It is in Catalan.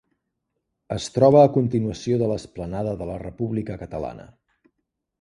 Es troba a continuació de l'Esplanada de la República Catalana.